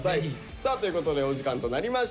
さあということでお時間となりました。